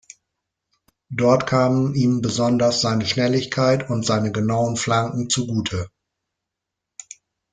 Dort kamen ihm besonders seine Schnelligkeit und seine genauen Flanken zugute.